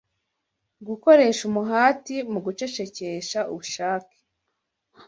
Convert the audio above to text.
Gukoresha umuhati mu gucecekesha ubushake